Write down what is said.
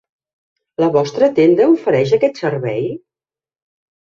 La vostra tenda ofereix aquest servei?